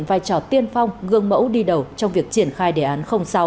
vai trò tiên phong gương mẫu đi đầu trong việc triển khai đề án sáu